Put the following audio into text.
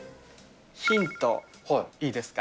ヒント、いいですか。